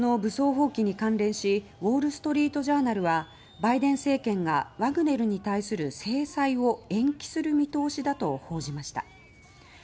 この武装蜂起に関連しウォール・ストリート・ジャーナルはバイデン政権が「ワグネル」に対する制裁を延期する見通しだと報じました。